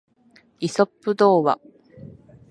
イソップ童話